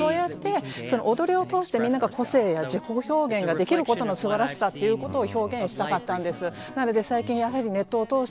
そうやって踊りを通してみんなが個性や自己表現ができることの素晴らしさということを表現したかったんです。